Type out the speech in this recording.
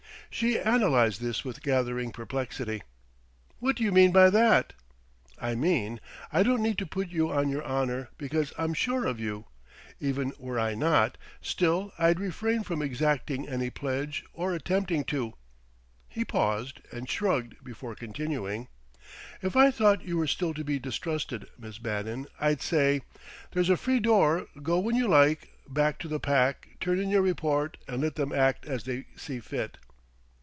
She analyzed this with gathering perplexity. "What do you mean by that?" "I mean, I don't need to put you on your honour because I'm sure of you. Even were I not, still I'd refrain from exacting any pledge, or attempting to." He paused and shrugged before continuing: "If I thought you were still to be distrusted, Miss Bannon, I'd say: 'There's a free door; go when you like, back to the Pack, turn in your report, and let them act as they see fit.'...